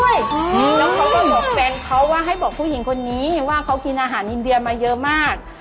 แล้วเขาก็บอกแฟนเขาว่าให้บอกผู้หญิงคนนี้ว่าเขากินอาหารอินเดียมาเยอะมาก